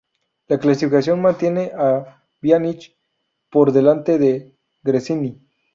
La clasificación mantiene a Bianchi por delante de Gresini.